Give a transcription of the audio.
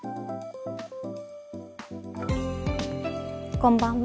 こんばんは。